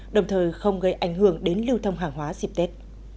đồng thời không gây ảnh hưởng đến lưu thông hàng hóa dịp tết